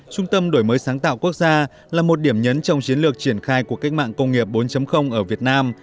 trung tâm đổi mới sáng tạo quốc gia là một điểm nhấn trong chiến lược triển khai cuộc cách mạng công nghiệp bốn ở việt nam